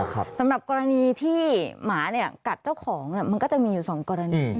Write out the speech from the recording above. ค่ะสำหรับกรณีที่หมากัดเจ้าของมันก็จะมีอยู่๒กรณี